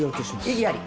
異議あり。